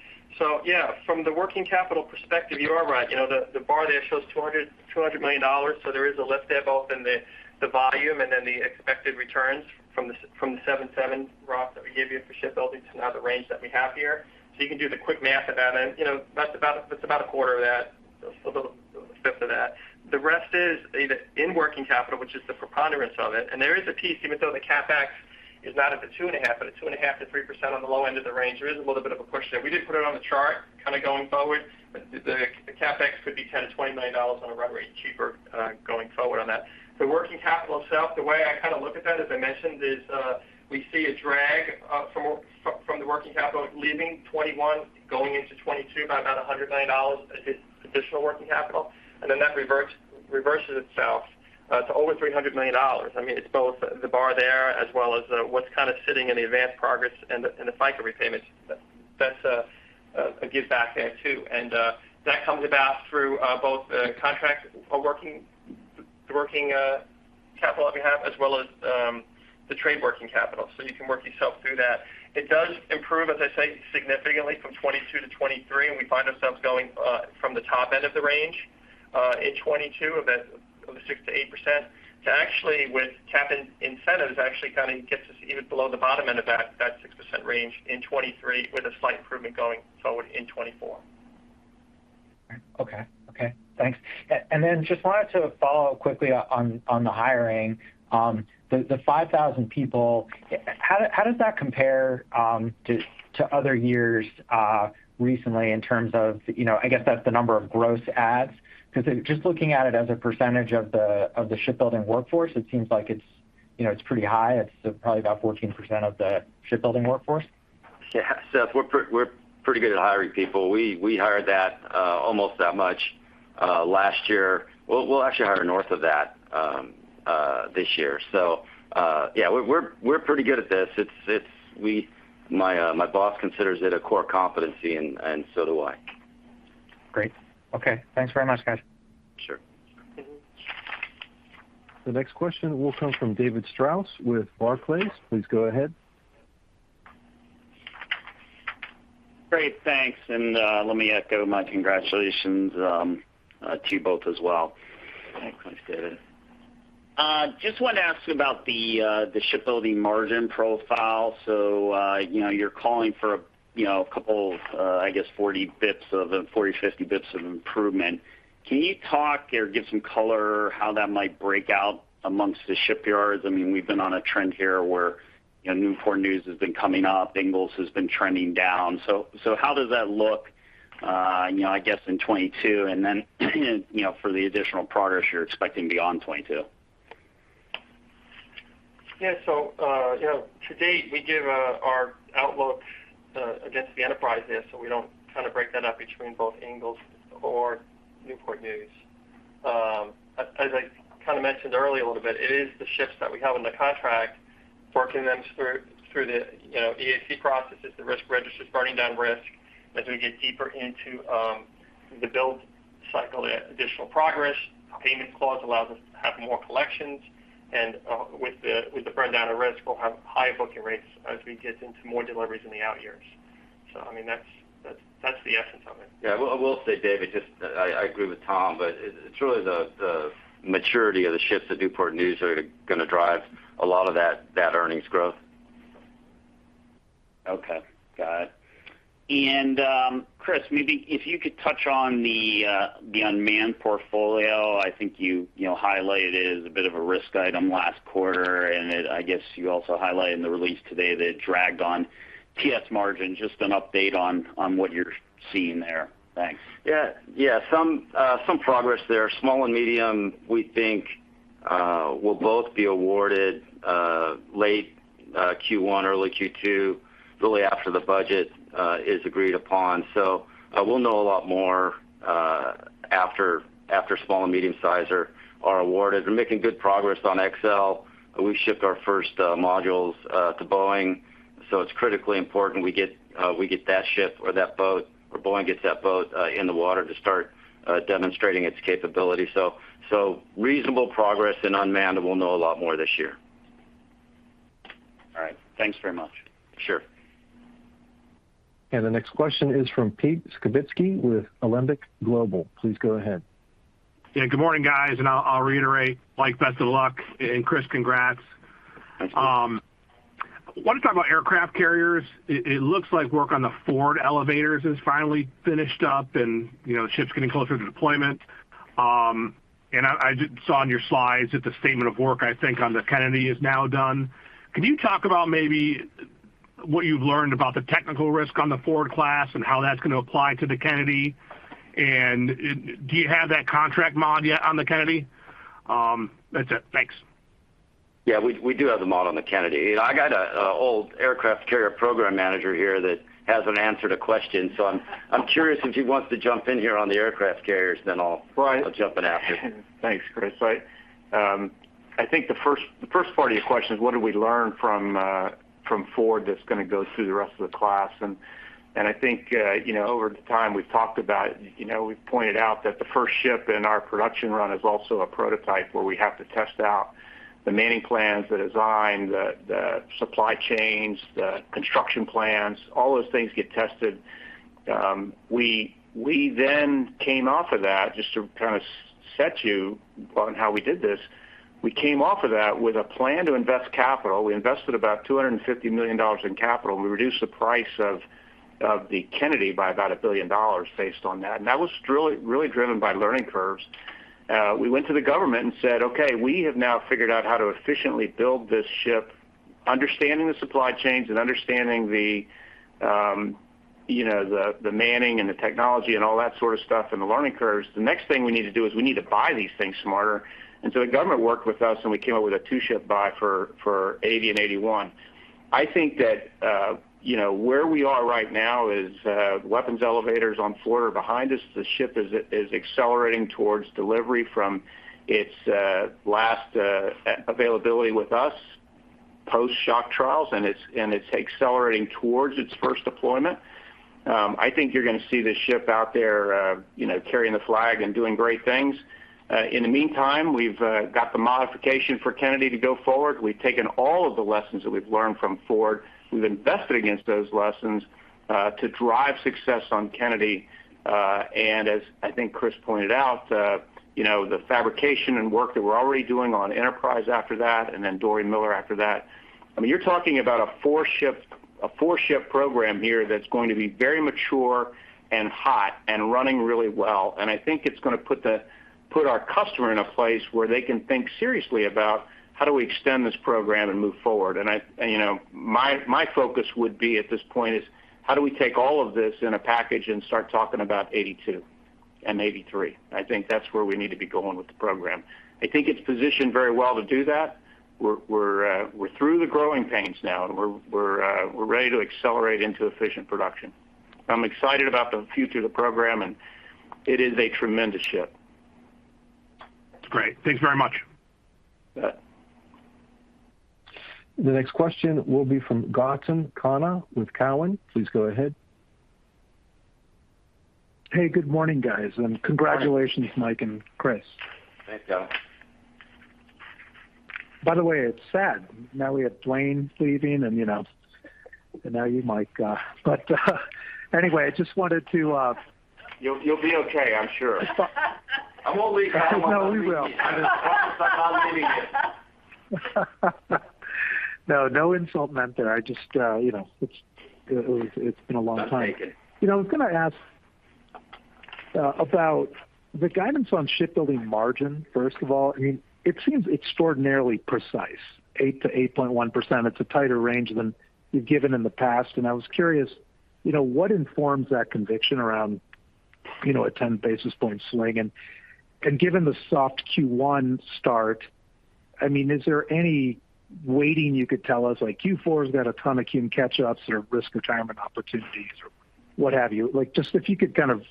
Yeah, from the working capital perspective, you are right. You know, the bar there shows $200 million. There is a lift there both in the volume and then the expected returns from the 7.7 ROS that we gave you for shipbuilding to now the range that we have here. You can do the quick math of that. You know, that's about a quarter of that. A little fifth of that. The rest is either in working capital, which is the preponderance of it. There is a piece, even though the CapEx is not at the 2.5%, but at 2.5%-3% on the low end of the range, there is a little bit of a push there. We did put it on the chart kind of going forward. The CapEx could be $10 million-$20 million on a run rate cheaper going forward on that. The working capital itself, the way I kind of look at that, as I mentioned, is we see a drag from the working capital leaving 2021, going into 2022 by about $100 million additional working capital. Then that reverses itself to over $300 million. I mean, it's both the bar there as well as what's kind of sitting in the advanced progress and the FICA repayments. That's a giveback there too. That comes about through both contract working capital that we have, as well as the trade working capital. You can work yourself through that. It does improve, as I say, significantly from 2022 to 2023, and we find ourselves going from the top end of the range in 2022 of that over 6%-8% to actually with capex incentives, actually kind of gets us even below the bottom end of that 6% range in 2023 with a slight improvement going forward in 2024. Thanks. Just wanted to follow quickly on the hiring. The 5,000 people, how does that compare to other years recently in terms of, you know, I guess that's the number of gross adds? Because just looking at it as a percentage of the shipbuilding workforce, it seems like it's, you know, it's pretty high. It's probably about 14% of the shipbuilding workforce. Yeah. Seth, we're pretty good at hiring people. We hired that almost that much last year. We'll actually hire north of that this year. Yeah, we're pretty good at this. My boss considers it a core competency and so do I. Great. Okay. Thanks very much, guys. Sure. Mm-hmm. The next question will come from David Strauss with Barclays. Please go ahead. Great. Thanks. Let me echo my congratulations to you both as well. Thanks. Thanks, David. Just wanted to ask about the shipbuilding margin profile. You know, you're calling for a couple of, I guess 40-50 basis points of improvement. Can you talk or give some color how that might break out among the shipyards? I mean, we've been on a trend here where, you know, Newport News has been coming up, Ingalls has been trending down. How does that look, you know, I guess in 2022 and then, you know, for the additional progress you're expecting beyond 2022? Yeah. You know, to date, we give our outlook against the enterprise there, so we don't kind of break that up between both Ingalls or Newport News. As I kind of mentioned earlier a little bit, it is the ships that we have in the contract, working them through the, you know, EAC processes, the risk registers, burning down risk as we get deeper into the build cycle, the additional progress payment clause allows us to have more collections. With the burn down of risk, we'll have high booking rates as we get into more deliveries in the out years. I mean, that's the essence of it. Yeah. I will say, David, just I agree with Tom, but it's really the maturity of the ships at Newport News are gonna drive a lot of that earnings growth. Okay. Got it. Chris, maybe if you could touch on the unmanned portfolio. I think you know highlighted as a bit of a risk item last quarter. I guess you also highlighted in the release today that it dragged on TS margin. Just an update on what you're seeing there. Thanks. Yeah. Some progress there. Small and medium, we think, will both be awarded late Q1, early Q2, really after the budget is agreed upon. We'll know a lot more after small and medium sizers are awarded. We're making good progress on XLUUV. We shipped our first modules to Boeing, so it's critically important we get that ship or that boat, or Boeing gets that boat in the water to start demonstrating its capability. Reasonable progress in unmanned, and we'll know a lot more this year. All right. Thanks very much. Sure. The next question is from Pete Skibitski with Alembic Global. Please go ahead. Yeah, good morning, guys. I'll reiterate, Mike, best of luck, and Chris, congrats. Thanks, Pete. I wanted to talk about aircraft carriers. It looks like work on the Ford elevators is finally finished up and, you know, the ship's getting closer to deployment. I did see on your slides that the statement of work, I think, on the Kennedy is now done. Can you talk about maybe what you've learned about the technical risk on the Ford-class and how that's gonna apply to the Kennedy? And do you have that contract mod yet on the Kennedy? That's it. Thanks. Yeah, we do have the mod on the Kennedy. You know, I got a old aircraft carrier program manager here that hasn't answered a question, so I'm curious if he wants to jump in here on the aircraft carriers, then I'll- Right I'll jump in after. Thanks, Chris. I think the first part of your question is what did we learn from Ford that's gonna go through the rest of the class? I think you know, over the time we've talked about, you know, we've pointed out that the first ship in our production run is also a prototype where we have to test out the manning plans, the design, the supply chains, the construction plans, all those things get tested. We then came off of that, just to kind of set you on how we did this, we came off of that with a plan to invest capital. We invested about $250 million in capital, and we reduced the price of the Kennedy by about $1 billion based on that. That was really driven by learning curves. We went to the government and said, "Okay, we have now figured out how to efficiently build this ship, understanding the supply chains and understanding the, you know, the manning and the technology and all that sort of stuff and the learning curves. The next thing we need to do is we need to buy these things smarter." The government worked with us, and we came up with a two-ship buy for 80 and 81. I think that, you know, where we are right now is weapons elevators on Ford are behind us. The ship is accelerating towards delivery from its last availability with us, post-shock trials, and it's accelerating towards its first deployment. I think you're gonna see this ship out there, you know, carrying the flag and doing great things. In the meantime, we've got the modification for Kennedy to go forward. We've taken all of the lessons that we've learned from Ford. We've invested against those lessons to drive success on Kennedy. And as I think Chris pointed out, you know, the fabrication and work that we're already doing on Enterprise after that, and then Dorie Miller after that. I mean, you're talking about a four-ship program here that's going to be very mature and hot and running really well. I think it's gonna put our customer in a place where they can think seriously about how do we extend this program and move forward. You know, my focus would be at this point is how do we take all of this in a package and start talking about 2022 and 2023? I think that's where we need to be going with the program. I think it's positioned very well to do that. We're through the growing pains now, and we're ready to accelerate into efficient production. I'm excited about the future of the program, and it is a tremendous ship. That's great. Thanks very much. You bet. The next question will be from Gautam Khanna with TD Cowen. Please go ahead. Hey, good morning, guys, and congratulations, Mike and Chris. Thanks, Gautam. By the way, it's sad. Now we have Dwayne leaving and, you know, and now you, Mike. Anyway, I just wanted to You'll be okay, I'm sure. I won't leave. No, we will. I'm not leaving you. No, no insult meant there. I just, you know, it's been a long time. That's okay. You know, I was gonna ask about the guidance on shipbuilding margin, first of all. I mean, it seems extraordinarily precise, 8%-8.1%. It's a tighter range than you've given in the past. And I was curious, you know, what informs that conviction around, you know, a 10 basis point swing? And given the soft Q1 start, I mean, is there any weighting you could tell us? Like Q4's got a ton of Q in catch-ups or risk retirement opportunities or what have you. Like, just if you could kind of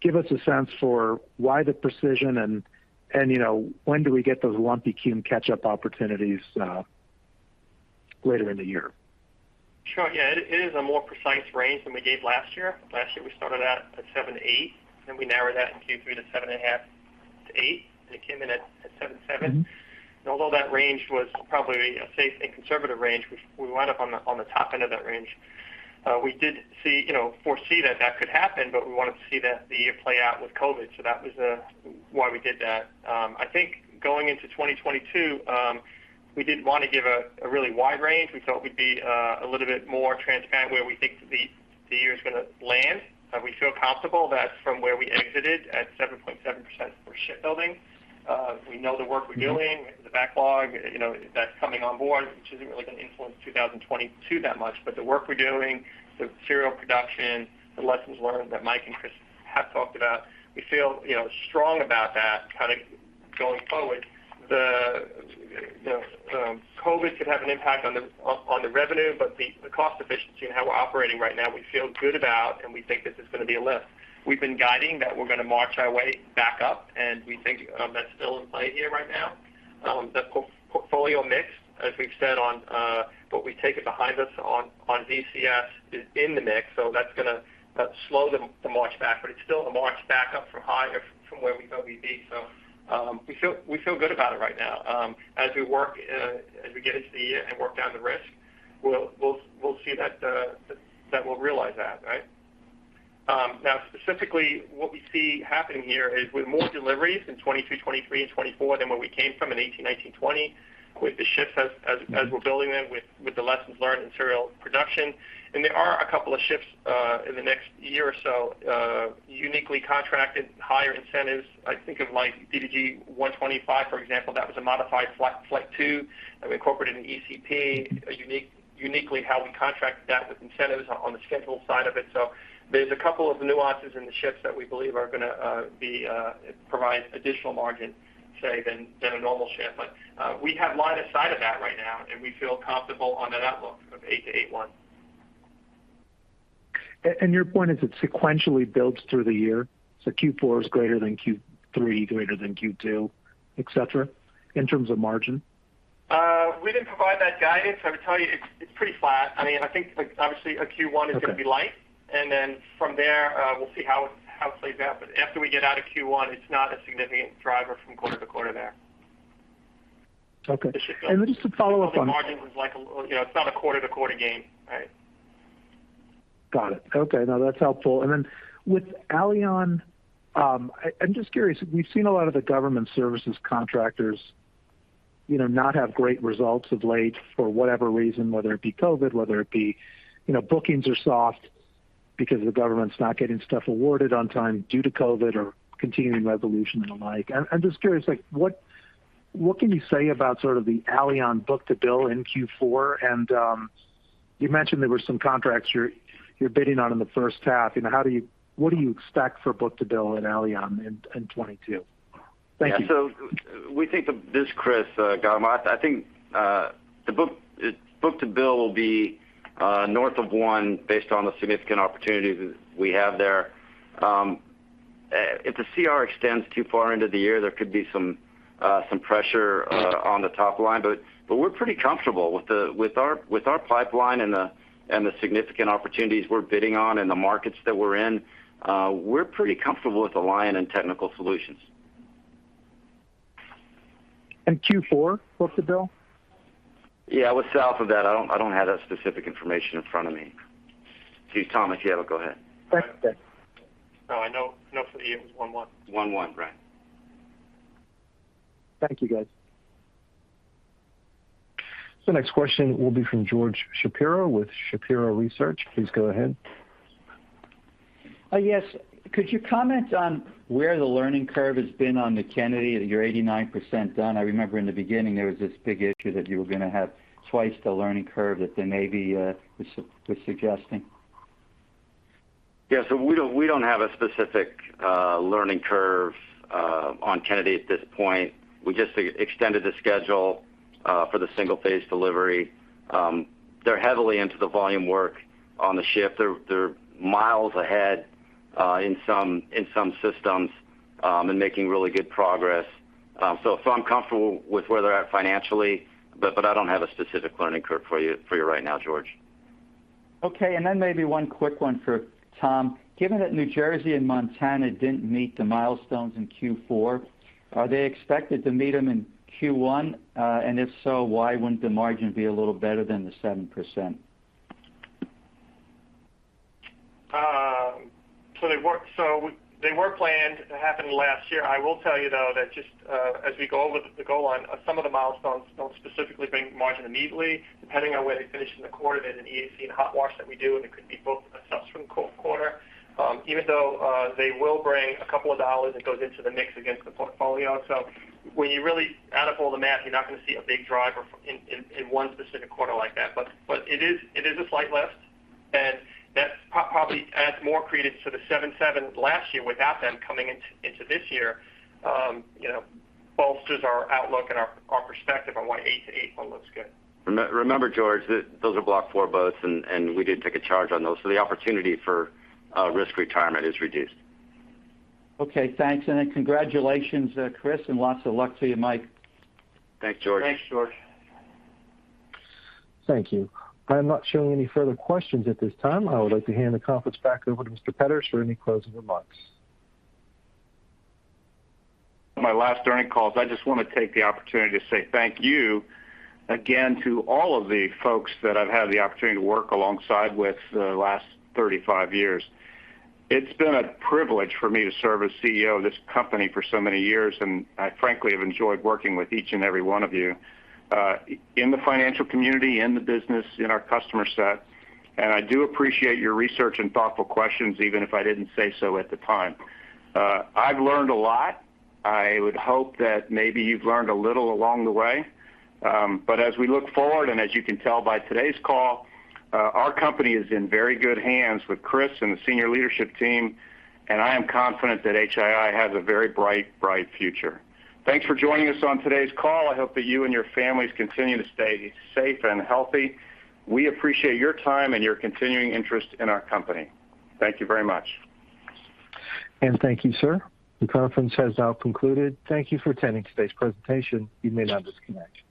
give us a sense for why the precision and, you know, when do we get those lumpy Q catch-up opportunities later in the year? Sure. Yeah. It is a more precise range than we gave last year. Last year, we started out at 7%-8%, then we narrowed that in Q3 to 7.5%-8%. It came in at 7.7%. Mm-hmm. Although that range was probably a safe and conservative range, we wound up on the top end of that range. We did foresee that that could happen, but we wanted to see the year play out with COVID. That was why we did that. I think going into 2022, we didn't want to give a really wide range. We thought we'd be a little bit more transparent where we think the year's gonna land. We feel comfortable that from where we exited at 7.7% for shipbuilding, we know the work we're doing, the backlog, you know, that's coming on board, which isn't really gonna influence 2022 that much. The work we're doing, the serial production, the lessons learned that Mike and Chris have talked about, we feel, you know, strong about that kind of going forward. COVID could have an impact on the revenue, but the cost efficiency and how we're operating right now, we feel good about, and we think this is gonna be a lift. We've been guiding that we're gonna march our way back up, and we think that's still in play here right now. The portfolio mix, as we've said on what we've taken behind us on VCS is in the mix. That's gonna slow the march back, but it's still a march back up from where we thought we'd be. We feel good about it right now. As we get into the year and work down the risk, we'll see that we'll realize that, right? Now specifically, what we see happening here is with more deliveries in 2022, 2023, and 2024 than where we came from in 2018, 2019, 2020, with the ships as we're building them with the lessons learned in serial production. There are a couple of ships in the next year or so uniquely contracted higher incentives. I think of like DDG-125, for example, that was a modified Flight IIA that we incorporated an ECP, uniquely how we contracted that with incentives on the schedule side of it. There's a couple of nuances in the ships that we believe are gonna provide additional margin, say, than a normal ship. We have lined aside of that right now, and we feel comfortable under that look of 8%-8.1%. Your point is it sequentially builds through the year? Q4 is greater than Q3, greater than Q2, et cetera, in terms of margin? We didn't provide that guidance. I would tell you it's pretty flat. I mean, I think, like, obviously a Q1 is gonna be light. Okay. From there, we'll see how it plays out. After we get out of Q1, it's not a significant driver from quarter to quarter there. Okay. It should go- Just a follow-up on that. Building margins is like you know, it's not a quarter-to-quarter game, right? Got it. Okay. No, that's helpful. With Alion, I'm just curious. We've seen a lot of the government services contractors, you know, not have great results of late for whatever reason, whether it be COVID, whether it be, you know, bookings are soft because the government's not getting stuff awarded on time due to COVID or continuing resolution and the like. I'm just curious, like what can you say about sort of the Alion book-to-bill in Q4? You mentioned there were some contracts you're bidding on in the first half. You know, what do you expect for book-to-bill in Alion in 2022? Thank you. Yeah. This is Chris, Gautam. I think the book-to-bill will be north of one based on the significant opportunities that we have there. If the CR extends too far into the year, there could be some pressure on the top line, but we're pretty comfortable with our pipeline and the significant opportunities we're bidding on and the markets that we're in. We're pretty comfortable with Alion and Technical Solutions. Q4 book-to-bill? Yeah. It was south of that. I don't have that specific information in front of me. Excuse me, Tom, if you have it, go ahead. That's okay. No, I know for the year it was 11. One one, right. Thank you, guys. The next question will be from George Shapiro with Shapiro Research. Please go ahead. Yes. Could you comment on where the learning curve has been on Kennedy? You're 89% done. I remember in the beginning there was this big issue that you were gonna have twice the learning curve that the Navy was suggesting. Yeah. We don't have a specific learning curve on Kennedy at this point. We just extended the schedule for the single phase delivery. They're heavily into the volume work on the ship. They're miles ahead in some systems and making really good progress. I'm comfortable with where they're at financially, but I don't have a specific learning curve for you right now, George. Okay. Maybe one quick one for Tom. Given that New Jersey and Montana didn't meet the milestones in Q4, are they expected to meet them in Q1? If so, why wouldn't the margin be a little better than the 7%? They were planned to happen last year. I will tell you though that just as we go with the goal line, some of the milestones don't specifically bring margin immediately, depending on where they finish in the quarter. There's an EAC and hot wash that we do, and it could be booked a subsequent quarter. Even though they will bring a couple of dollars that goes into the mix against the portfolio. When you really add up all the math, you're not gonna see a big driver in one specific quarter like that. It is a slight lift, and that probably adds more credence to the 7.7% last year without them coming into this year, bolsters our outlook and our perspective on why 8%-8.1% looks good. Remember, George, those are Block IV boats, and we did take a charge on those. The opportunity for risk retirement is reduced. Okay, thanks. Congratulations, Chris, and lots of luck to you, Mike. Thanks, George. Thanks, George. Thank you. I am not showing any further questions at this time. I would like to hand the conference back over to Mr. Petters for any closing remarks. My last earnings calls, I just wanna take the opportunity to say thank you again to all of the folks that I've had the opportunity to work alongside with the last 35 years. It's been a privilege for me to serve as CEO of this company for so many years, and I frankly have enjoyed working with each and every one of you in the financial community, in the business, in our customer set, and I do appreciate your research and thoughtful questions, even if I didn't say so at the time. I've learned a lot. I would hope that maybe you've learned a little along the way. As we look forward, and as you can tell by today's call, our company is in very good hands with Chris and the senior leadership team, and I am confident that HII has a very bright future. Thanks for joining us on today's call. I hope that you and your families continue to stay safe and healthy. We appreciate your time and your continuing interest in our company. Thank you very much. Thank you, sir. The conference has now concluded. Thank you for attending today's presentation. You may now disconnect.